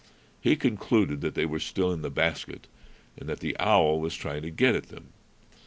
He concluded that they were still in the basket, and that the owl was trying to get at them.